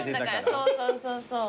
そうそうそうそう。